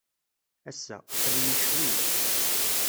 Ass-a, aql-iyi ccwi.